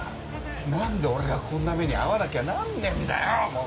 何で俺がこんな目に遭わなきゃなんねえんだよもう！